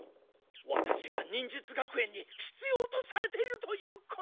ワタシが忍術学園にひつようとされているということだ！